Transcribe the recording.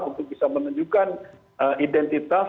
untuk bisa menunjukkan identitas